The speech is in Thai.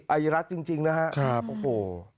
อายรัฐจริงนะฮะโอ้โห